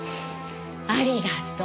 ありがとう。